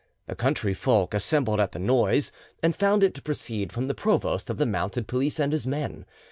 The country folk assembled at the noise, and found it to proceed from the provost of the mounted police and his men.